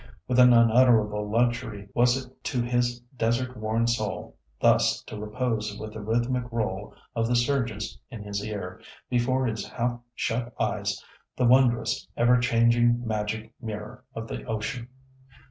What an unutterable luxury was it to his desert worn soul thus to repose with the rhythmic roll of the surges in his ear—before his half shut eyes the wondrous, ever changing magic mirror of the ocean!